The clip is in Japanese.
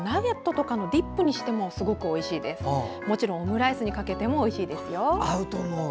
もちろんオムライスにかけてもおいしいですよ。